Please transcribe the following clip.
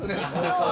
そう！